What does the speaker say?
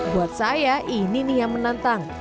buat saya ini nih yang menantang